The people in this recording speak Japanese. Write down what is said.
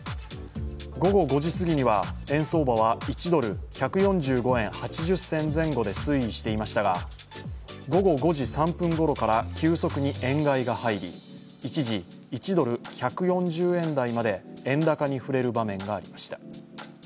午後５時すぎには、円相場１ドル＝１４５円８０銭前後で推移していましたが、午後５時３分ごろから急速に円買いが入り一時、１ドル＝１４０円台まで円高に振れる場面がありました。